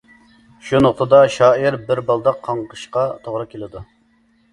شۇ نۇقتىدا شائىر بىر بالداق قاڭقىشقا توغرا كېلىدۇ.